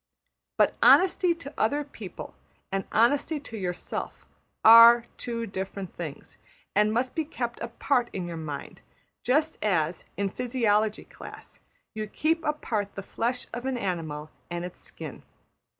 But honesty to other people and honesty to yourself \emph{are} two different things, and must be kept apart in your mind, just as, in physiology class, you keep apart the flesh of an animal and its skin.